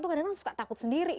itu kadang kadang suka takut sendiri